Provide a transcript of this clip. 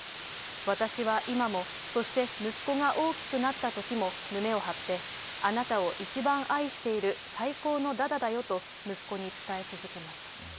私は今も、そして息子が大きくなったときも胸を張ってあなたを一番愛している最高のダダだよと息子に伝え続けますと。